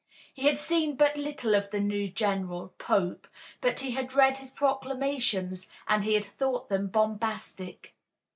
He had seen but little of the new general, Pope, but he had read his proclamations and he had thought them bombastic.